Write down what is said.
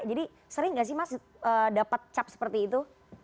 jadi sering gak sih mas dapat cap seperti itu